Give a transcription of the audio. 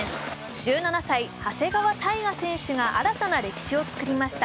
１７歳、長谷川帝勝選手が新たな歴史を作りました。